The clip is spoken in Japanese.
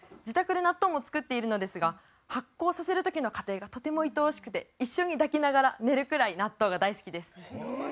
自宅で納豆も作っているのですが発酵させる時の過程がとてもいとおしくて一緒に抱きながら寝るくらい納豆が大好きです。